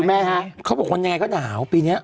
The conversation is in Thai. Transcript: คุณแม่ฮะเขาบอกวันยังไงก็หนาวปีนี้